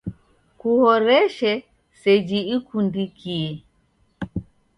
Kuhoreshe seji ikundikie.